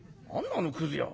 あのくず屋は？